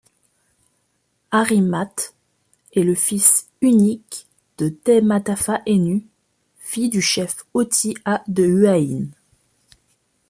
Ari'imate, est le fils unique de Tematafa'ainu, fille du chef Hauti'a de Huahine.